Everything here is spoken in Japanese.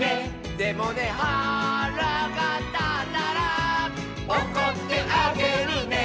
「でもねはらがたったら」「おこってあげるね」